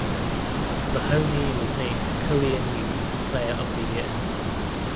Mahoney was named Courier News Player of the Year.